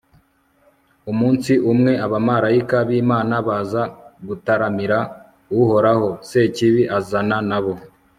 umunsi umwe, abamalayika b'imana baza gutaramira uhoraho, sekibi azana na bo